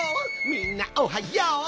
みんなおはよう！